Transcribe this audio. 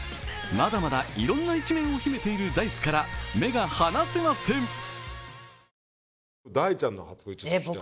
まだまだいろんな一面を秘めているＤａ−ｉＣＥから目が離せません。